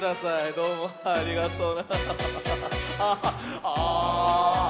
どうもありがとう。